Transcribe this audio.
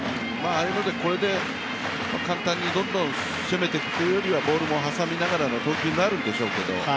これで簡単にどんどん攻めていくよりはボールも挟みながらの投球になるんでしょうけど